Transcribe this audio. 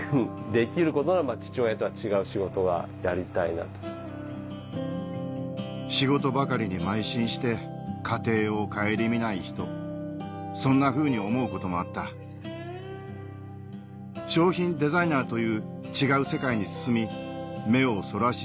ここに戻って来た仕事ばかりにまい進して家庭を顧みない人そんなふうに思うこともあった商品デザイナーという違う世界に進み目をそらし続けて来た歯科医の仕事